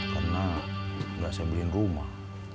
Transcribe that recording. karena gak saya beliin rumah